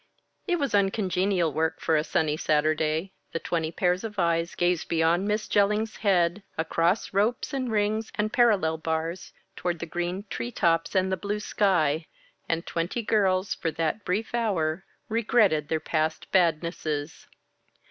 It was uncongenial work for a sunny Saturday. The twenty pairs of eyes gazed beyond Miss Jellings' head across ropes and rings and parallel bars toward the green tree tops and the blue sky; and twenty girls, for that brief hour, regretted their past badnesses.